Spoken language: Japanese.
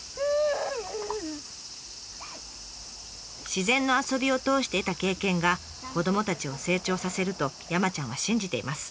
自然の遊びを通して得た経験が子どもたちを成長させると山ちゃんは信じています。